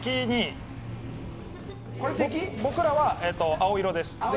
僕らは青色です。